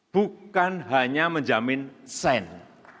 bukan hanya menjamin send